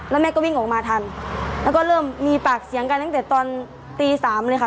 แล้วแม่ก็วิ่งออกมาทันแล้วก็เริ่มมีปากเสียงกันตั้งแต่ตอนตีสามเลยค่ะ